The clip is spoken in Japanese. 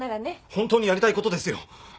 本当にやりたいことですよ。